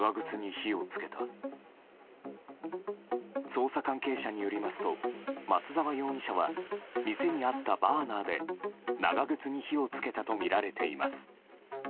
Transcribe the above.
捜査関係者によりますと松沢容疑者は店にあったバーナーで長靴に火を付けたとみられています。